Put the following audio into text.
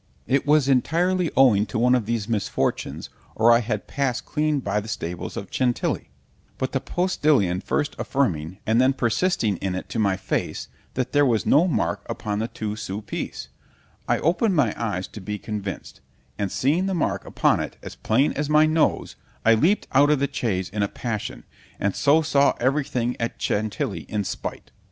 It was entirely owing to one of these misfortunes, or I had pass'd clean by the stables of Chantilly—— ——But the postillion first affirming, and then persisting in it to my face, that there was no mark upon the two sous piece, I open'd my eyes to be convinced—and seeing the mark upon it as plain as my nose—I leap'd out of the chaise in a passion, and so saw every thing at Chantilly in spite.